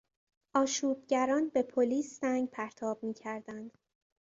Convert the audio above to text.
آشوبگران به پلیس سنگ پرتاب میکردند.